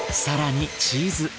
更にチーズ。